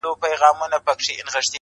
یو درزن چي دي زامن دي زېږولي؛